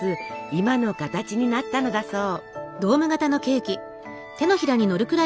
今の形になったのだそう。